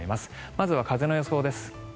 まずは風の予想です。